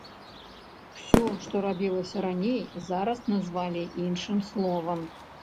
Усё, што рабілася раней, зараз назвалі іншым словам.